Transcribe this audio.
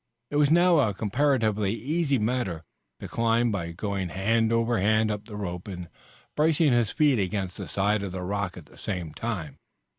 It was now a comparatively easy matter to climb by going hand over hand up the rope and bracing his feet against the side of the rock at the same time.